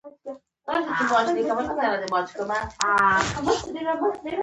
د تقاضا ډېروالی په پرمختګ کې کلیدي رول لري.